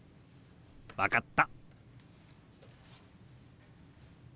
分かった。